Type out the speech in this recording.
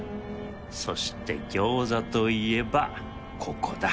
そしてギョーザといえばここだ